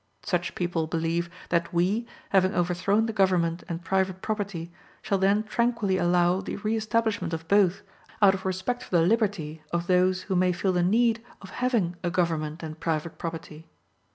Such people believe that we, having overthrown the government and private property, shall then tranquilly allow the re establishment of both, out of respect for the "liberty" of those who may feel the need of having a government and private property.